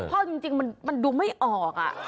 เพราะจริงมันดูไม่ออก